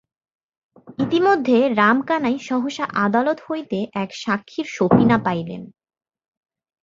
ইতিমধ্যে রামকানাই সহসা আদালত হইতে এক সাক্ষীর সপিনা পাইলেন।